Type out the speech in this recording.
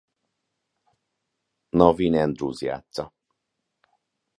Naveen Andrews játssza.